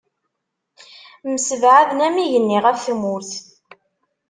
Msebɛaden am yigenni ɣef tmurt.